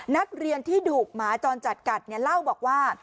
นักเรียนที่ถูกหมาจรจัดกัดเนี่ยเล่าบอกว่า